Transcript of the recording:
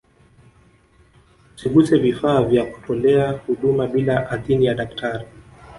usiguse vifaa vya kutolea huduma bila idhini ya daktari